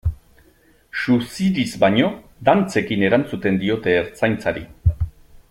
Suziriz baino, dantzekin erantzuten diote Ertzaintzari.